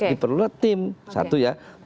diperlukan tim satu ya